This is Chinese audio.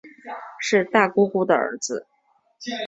是大姑姑的儿子